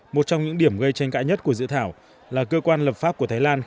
một trong những điểm gây tranh cãi nhất của dự thảo là cơ quan lập pháp của thái lan